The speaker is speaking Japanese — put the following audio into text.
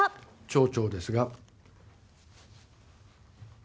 町長ですが。